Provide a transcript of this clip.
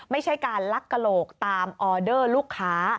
ไม่ใช่การลักกระโหลกตามออเดอร์ลูกค้า